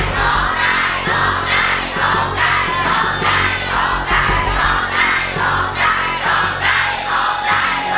ร้องได้ร้องได้ร้องได้ร้องได้ร้องได้ร้องได้